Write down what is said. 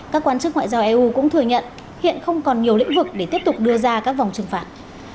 các quan chức ngoại giao eu cũng thừa nhận hiện không còn nhiều lĩnh vực để tiếp tục đưa ra các vòng trừng phạt